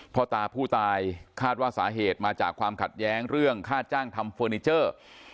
พ่อตาผู้ตายคาดว่าสาเหตุมาจากความขัดแย้งเรื่องค่าจ้างทำเฟอร์นิเจอร์